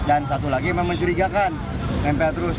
dan satu lagi memang mencurigakan nempel terus